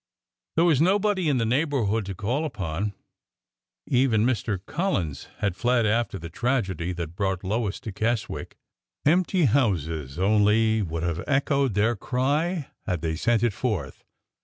There was nobody in the neighborhood to call upon. Even Mr. Collins had fled after the tragedy that brought Lois to Keswick. Empty houses only would have echoed their cry had they sent it forth.